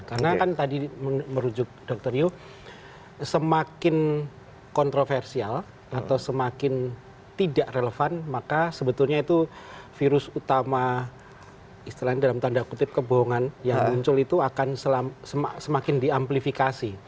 karena kan tadi merujuk dokter ryu semakin kontroversial atau semakin tidak relevan maka sebetulnya itu virus utama istilahnya dalam tanda kutip kebohongan yang muncul itu akan semakin di amplifikasi